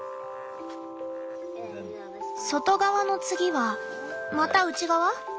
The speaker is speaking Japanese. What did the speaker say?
外側の次はまた内側？